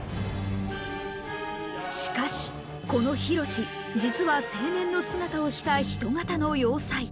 しかしこのヒロシ実は青年の姿をした人型の要塞。